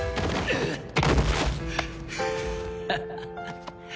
ハハハッ。